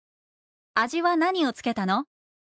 「味は何をつけたの？」。